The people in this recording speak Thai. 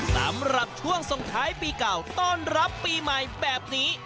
สำหรับช่วงส่งท้ายปีเก่าต้อนรับปีใหม่แบบนี้